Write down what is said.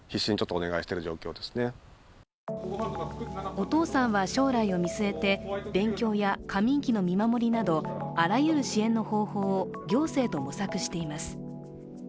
お父さんは将来を見据えて勉強や過眠期の見守りなどあらゆる支援の方法を行政と模索しています。